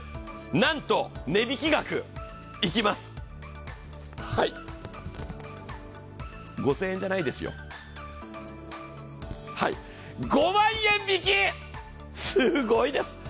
なんと値引き額、いきます、５０００円じゃないですよ、５万円引き、すごいです。